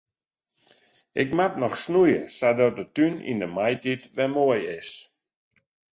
Ik moat noch snoeie sadat de tún yn de maitiid wer moai is.